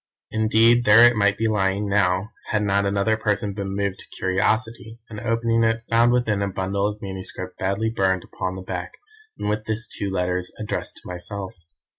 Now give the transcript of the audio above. Indeed there it might be lying now, had not another person been moved to curiosity, and opening it, found within a bundle of manuscript badly burned upon the back, and with this two letters addressed to myself.